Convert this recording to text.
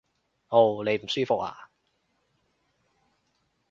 嗷！你唔舒服呀？